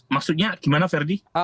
maksudnya gimana ferdi